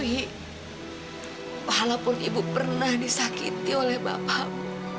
wih walaupun ibu pernah disakiti oleh bapak